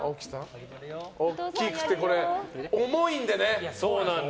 大きくて重いんでね。